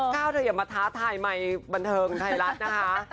เธออย่ามาท้าทายไมค์บันเทิงไทยรัฐนะคะ